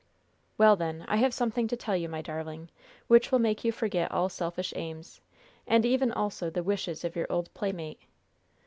"Well, then, I have something to tell you, my darling, which will make you forget all selfish aims, and even also the wishes of your old playmate.